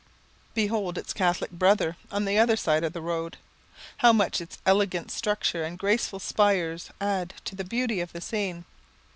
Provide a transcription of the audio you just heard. Behold its Catholic brother on the other side of the road; how much its elegant structure and graceful spire adds to the beauty of the scene.